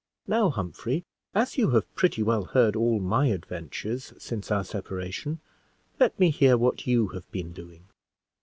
"Now, Humphrey, as you have pretty well heard all my adventures since our separation, let me hear what you have been doing."